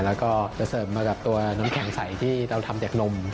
แล้วก็จะเสิร์ฟมาจากตัวน้ำแข็งใสที่เราทำจากนม